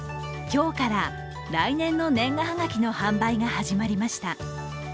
今日から来年の年賀はがきの販売が始まりました。